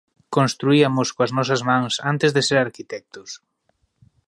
Construïamos coas nosas mans antes de ser arquitectos.